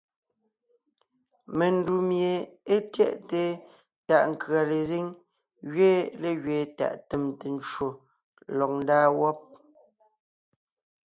Mendù tsèm mie é tyɛʼte tàʼ nkʉ̀a lezíŋ gẅiin légẅiin tàʼ tèmte ncwò lɔg ńdaa wɔ́b.